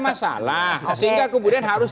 masalah sehingga kemudian harus